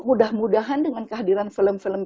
mudah mudahan dengan kehadiran film film